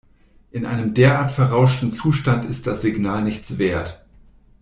In einem derart verrauschtem Zustand ist das Signal nichts wert.